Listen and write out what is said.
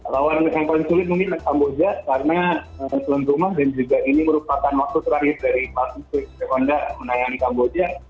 lawan yang paling sulit mungkin adalah kamboja karena kelemparan rumah dan juga ini merupakan waktu terakhir dari mas md rwanda menayangi kamboja